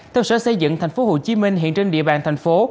theo sở xây dựng tp hcm hiện trên địa bàn thành phố